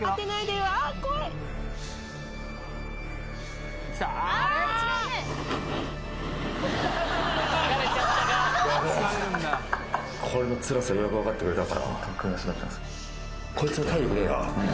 これのつらさようやく分かってくれたかな。